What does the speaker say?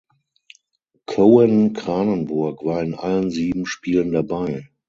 Coen Kranenburg war in allen sieben Spielen dabei.